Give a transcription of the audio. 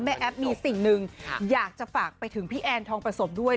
แอปมีสิ่งหนึ่งอยากจะฝากไปถึงพี่แอนทองประสมด้วย